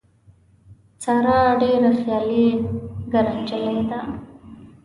ساره ډېره خیالي ګره نجیلۍ ده.